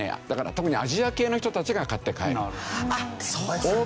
特にアジア系の人たちが買って帰る。